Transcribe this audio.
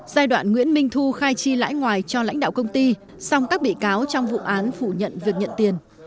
giai đoạn nguyễn minh thu khai chi lãi ngoài cho lãnh đạo công ty song các bị cáo trong vụ án phủ nhận việc nhận tiền